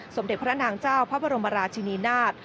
สมเด็จพระนางเจ้าพระบรมราชินีนาฏ